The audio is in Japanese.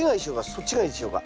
そっちがいいでしょうか？